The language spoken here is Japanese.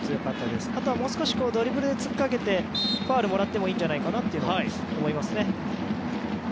あとは、もう１つドリブルでつっかけてファウルをもらってもいいんじゃないかなと思います。